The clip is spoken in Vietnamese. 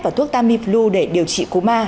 và thuốc tamiflu để điều trị cú ma